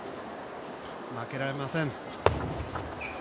負けられません。